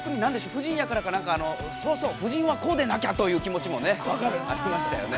夫人やからかそうそう、夫人はこうでなきゃというという気持ちもね、来ましたよね。